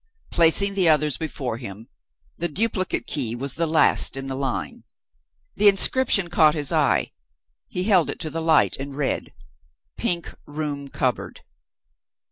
Placing the others before him, the duplicate key was the last in the line. The inscription caught his eye. He held it to the light and read "Pink Room Cupboard."